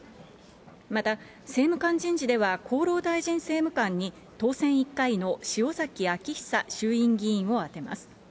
また政務官人事では、厚労大臣政務官に当選１回の塩崎彰久衆院議員を充てます。